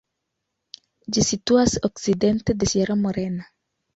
Ĝi situas okcidente de Sierra Morena.